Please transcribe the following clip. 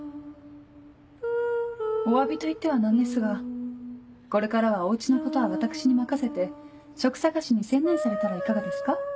お詫びといっては何ですがこれからはお家のことは私に任せて職探しに専念されたらいかがですか？